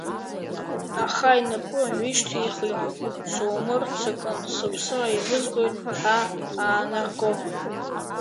Аха инапы ҩышьҭихит, сумырццакын, сыԥсы ааивызгоит ҳәа аанарго.